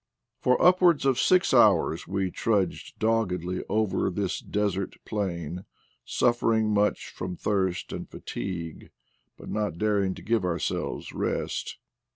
For upwards of six hours we trudged doggedly on over this desert plain, suffering much from ; thirst and fatigue, but not daring to give ourselves rest.